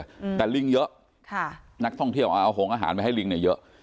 อืมแต่ลิงเยอะค่ะนักท่องเที่ยวอ่าเอาหงอาหารไปให้ลิงเนี้ยเยอะ